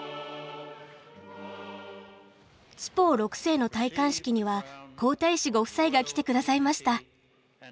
ツポウ６世の戴冠式には皇太子ご夫妻が来てくださいました。